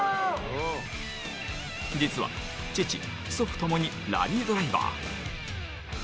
実は父、祖父ともにラリードライバー。